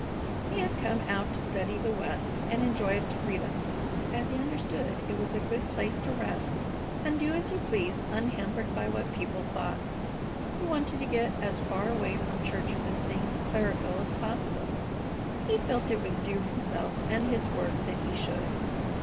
He had come out to study the West and enjoy its freedom, as he understood it was a good place to rest and do as you please unhampered by what people thought. He wanted to get as far away from churches and things clerical as possible. He felt it was due himself and his work that he should.